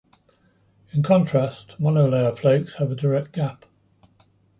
In contrast, monolayer flakes have a direct gap.